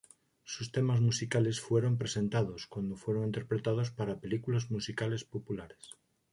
Sus temas musicales fueron presentados, cuando fueron interpretados para películas musicales populares.